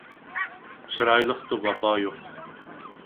چىرايلىقتا ۋاپا يوق